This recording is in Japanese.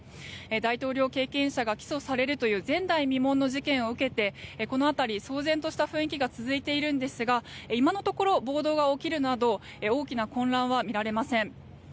大統領経験者が起訴されるという前代未聞の事件を受けてこの辺り、騒然とした雰囲気が続いているんですが今のところ暴動が起きるなど大きな混乱は見られません。